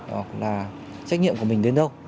hoặc là trách nhiệm của mình đến đâu